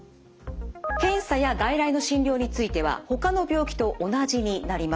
検査や外来の診療についてはほかの病気と同じになります。